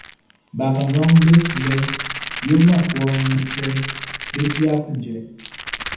Bakannganʼm be srilɛʼn yo maan klɔʼn i nunfuɛʼm be di aklunjuɛ.